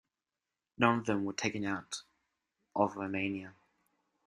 None of them were taken out of Romania.